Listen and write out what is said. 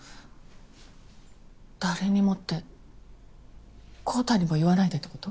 誰にもって昂太にも言わないでってこと？